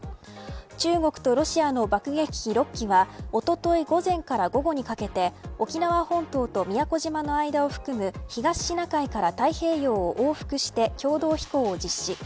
中国とロシアの爆撃機６機がおととい午前から午後にかけて沖縄本島と宮古島の間を含む東シナ海から太平洋を往復して共同飛行を実施。